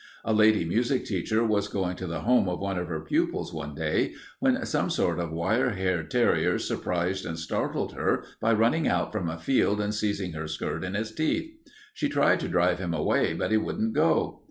A lady music teacher was going to the home of one of her pupils one day when some sort of wire haired terrier surprised and startled her by running out from a field and seizing her skirt in his teeth. She tried to drive him away, but he wouldn't go.